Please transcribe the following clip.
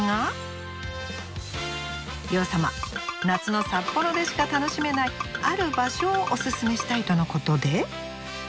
洋さま夏の札幌でしか楽しめない「ある場所」をおすすめしたいとのことで。